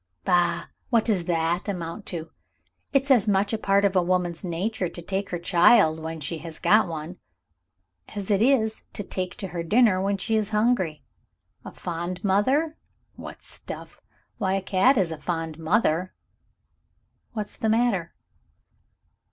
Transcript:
"Bah! What does that amount to? It's as much a part of a woman's nature to take to her child when she has got one, as it is to take to her dinner when she is hungry. A fond mother? What stuff! Why, a cat is a fond mother! What's the matter?"